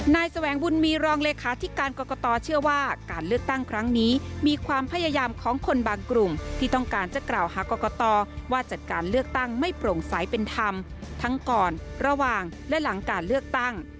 แสวงบุญมีรองเลขาธิการกรกตเชื่อว่าการเลือกตั้งครั้งนี้มีความพยายามของคนบางกลุ่มที่ต้องการจะกล่าวหากรกตว่าจัดการเลือกตั้งไม่โปร่งใสเป็นธรรมทั้งก่อนระหว่างและหลังการเลือกตั้ง